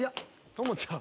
朋ちゃん。